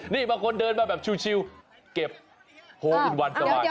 นี่บางคนเดินมาแบบชิลเก็บโฮอินวันสบาย